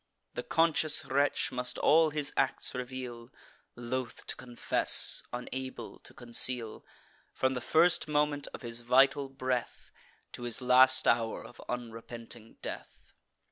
The conscious wretch must all his acts reveal, Loth to confess, unable to conceal, From the first moment of his vital breath, To his last hour of unrepenting death.